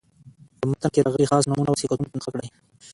په متن کې راغلي خاص نومونه او صفتونه په نښه کړئ.